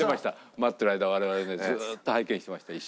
待ってる間我々ねずーっと拝見してました一緒に。